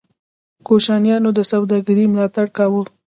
کوشانیانو د سوداګرۍ ملاتړ کاوه